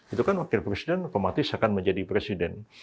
itu kan wakil presiden otomatis akan menjadi presiden